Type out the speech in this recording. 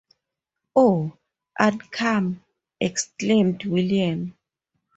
“Oh, I’d come!” exclaimed William.